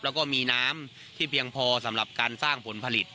แล้วก็มีน้ำที่เพียงพอสำหรับการสร้างผลผลิต